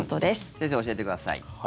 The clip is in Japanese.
先生、教えてください。